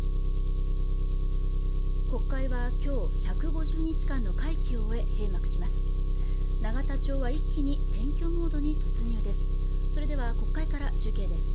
国会はきょう１５０日間の会期を終え閉幕します永田町は一気に選挙モードに突入です